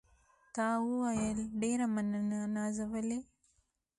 تا وویل: ډېره مننه نازولې.